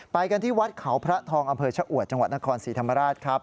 ไปกันที่วัดขาวพระทองอศออุ๋ชะวัดนครสีธรรมราช